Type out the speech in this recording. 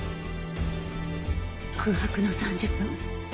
空白の３０分